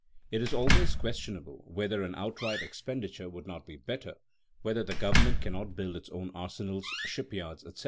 It is always questionable whether an outright expenditure would not be better, whether the government cannot build its own arsenals, ship yards, etc.